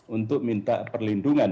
untuk minta perlindungan